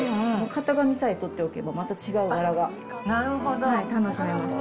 型紙さえ取っておけばまた違う柄が楽しめます。